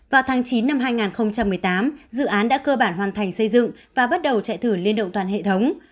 vào tháng chín năm hai nghìn một mươi tám dự án đã cơ bản hoàn thành xây dựng và bắt đầu chạy thử liên động toàn hệ thống